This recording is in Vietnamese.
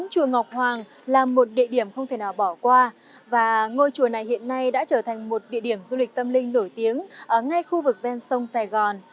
ngôi chùa ngọc hoàng là một địa điểm không thể nào bỏ qua và ngôi chùa này hiện nay đã trở thành một địa điểm du lịch tâm linh nổi tiếng ở ngay khu vực ven sông sài gòn